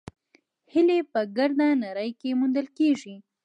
هیلۍ په ګرده نړۍ کې موندل کېږي